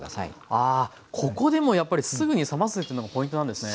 あここでもやっぱりすぐに冷ますってのがポイントなんですね。